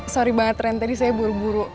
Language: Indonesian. sorry banget tren tadi saya buru buru